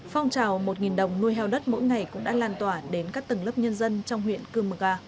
phong trào một đồng nuôi heo đất mỗi ngày cũng đã lan tỏa đến các tầng lớp nhân dân trong huyện cương mực a